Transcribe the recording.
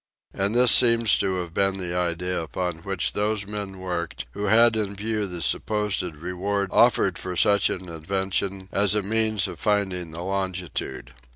And this seems to have been the idea upon which those men worked, who had in view the supposed reward offered for such an invention as a means for finding the longitude.